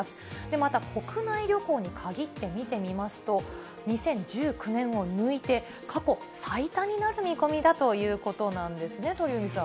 また国内旅行にかぎって見てみますと、２０１９年を抜いて、過去最多になる見込みだということなんですね、鳥海さん。